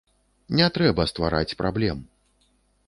Не трэба ствараць праблем!